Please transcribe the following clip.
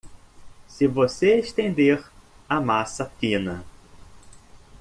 Se você estender a massa fina.